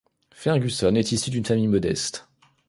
Ferguson est issu d'une famille modeste.